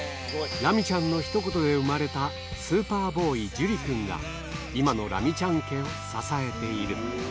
ラミちゃんのひと言で産まれたスーパーボーイ、ジュリくんが、今のラミちゃん家を支えている。